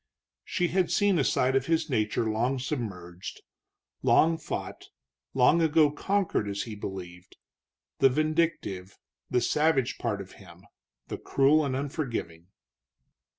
She had seen a side of his nature long submerged, long fought, long ago conquered as he believed; the vindictive, the savage part of him, the cruel and unforgiving.